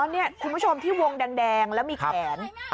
นี่คุณผู้ชมที่วงแดงแล้วมีแขน